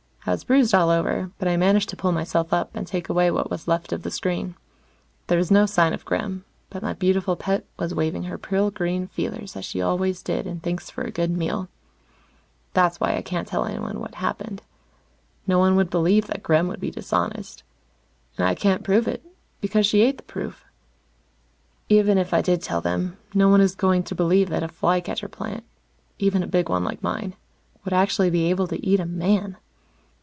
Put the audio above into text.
I was bruised all over, but I managed to pull myself up and take away what was left of the screen. There was no sign of Gremm, but my beautiful pet was waving her pearl green feelers as she always did in thanks for a good meal. That's why I can't tell anyone what happened. No one would believe that Gremm would be dishonest. And I can't prove it, because she ate the proof. Even if I did tell them, no one is going to believe that a fly catcher plant even a big one like mine would actually be able to eat a man.